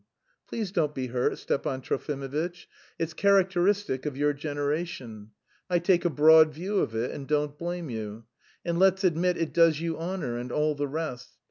Please don't be hurt, Stepan Trofimovitch. It's characteristic of your generation, I take a broad view of it, and don't blame you. And let's admit it does you honour and all the rest.